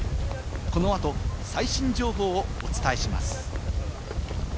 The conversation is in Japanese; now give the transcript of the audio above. この後、最新情報をお伝えします。